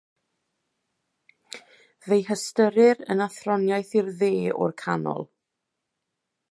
Fe'i hystyrir yn athroniaeth i'r dde o'r canol.